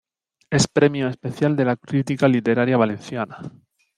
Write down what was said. Es Premio Especial de la Crítica Literaria Valenciana.